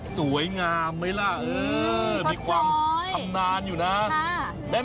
สวยงามไหมล่ะเออมีความชำนาญอยู่นะ